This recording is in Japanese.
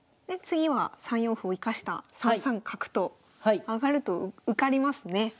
で次は３四歩を生かした３三角と上がると受かりますね。